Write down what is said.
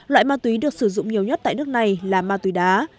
loại ma túy được sử dụng nhiều nhất tại nước này là ma túy đá